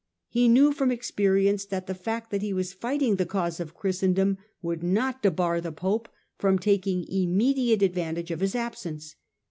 He knew from experience that the fact that he was fighting the cause of Christendom would not debar the Pope from taking immediate advantage of his absence.